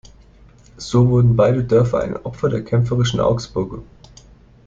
So wurden beide Dörfer ein Opfer der kämpferischen Augsburger.